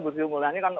bu sri mulyani kan